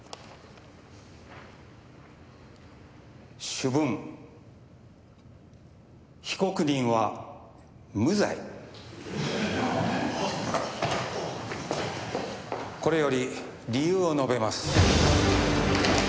「主文」「被告人は無罪」これより理由を述べます。